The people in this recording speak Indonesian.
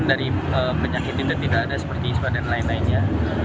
dari penyakit itu tidak ada seperti ispa dan lain lainnya